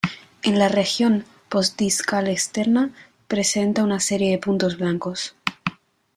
En la región postdiscal externa, presenta una serie de puntos blancos.